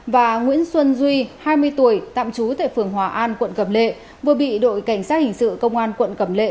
và nguyễn xuân duy hai mươi tuổi tạm trú tại phường hòa an quận cầm lệ vừa bị đội cảnh sát hình sự công an quận cẩm lệ